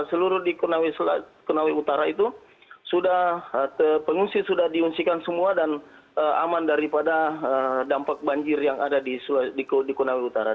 seluruh di konawe utara itu sudah pengungsi sudah diungsikan semua dan aman daripada dampak banjir yang ada di konawe utara